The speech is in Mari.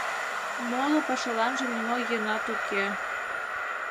— Моло пашаланже нимо йӧнат уке.